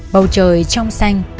bầu trời trong xanh